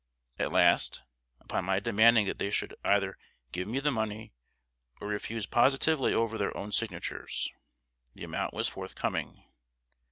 At last, upon my demanding that they should either give me the money, or refuse positively over their own signatures, the amount was forthcoming.